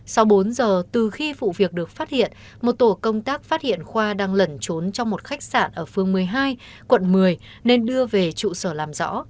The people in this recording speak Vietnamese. sau bốn giờ từ khi vụ việc được phát hiện một tổ công tác phát hiện khoa đang lẩn trốn trong một khách sạn ở phương một mươi hai quận một mươi nên đưa về trụ sở làm rõ